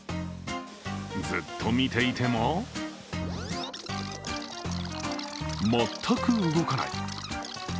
ずっと見ていても全く動かない。